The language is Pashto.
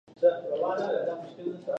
که آس سپاره خواره سي، نو انګریزان ګمان کوي.